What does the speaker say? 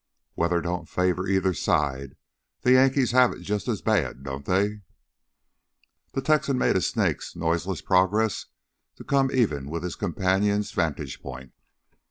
"Weather don't favor either side. The Yankees have it just as bad, don't they?" The Texan made a snake's noiseless progress to come even with his companion's vantage point.